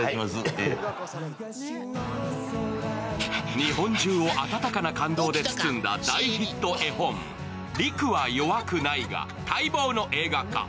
日本中を温かな感動で包んだ大ヒット絵本、「リクはよわくない」が待望の映画化。